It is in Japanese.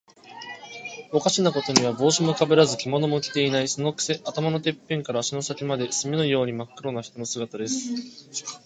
おかしなことには、帽子もかぶらず、着物も着ていない。そのくせ、頭のてっぺんから足の先まで、墨のようにまっ黒な人の姿です。